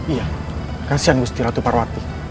iya kasihan wusti ratu parawati